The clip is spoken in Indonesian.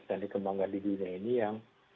yang dikembangkan di dunia ini yang